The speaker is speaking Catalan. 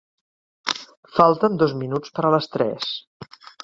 Falten dos minuts per a les tres.